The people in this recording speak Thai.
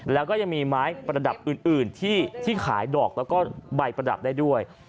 แล้วก็ยังมีไม้ประดับอื่นที่ขายดอกแล้วก็ใบประดับได้ด้วย